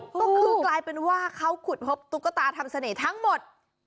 ก็คือกลายเป็นว่าเขาขุดพบตุ๊กตาทำเสน่ห์ทั้งหมด